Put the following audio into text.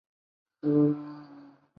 目前在国立台湾文学馆任职。